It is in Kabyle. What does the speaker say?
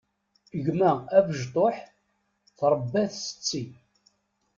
Gma abesṭuḥ tṛebba-t setti.